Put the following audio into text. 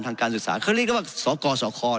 ทางการศึกษาเขาเรียกว่าสอกอสอคอน